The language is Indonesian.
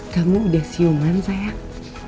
kamu udah siuman sayang